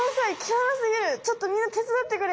「ちょっとみんな手伝ってくれ！